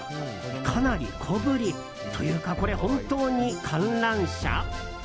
かなり小ぶり。というか、これ本当に観覧車？